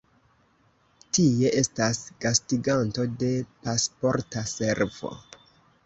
Tie estas gastiganto de Pasporta Servo.